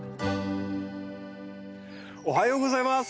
おはようございます。